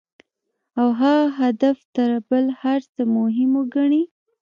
او هغه هدف تر بل هر څه مهم وګڼي.